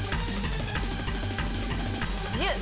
１０。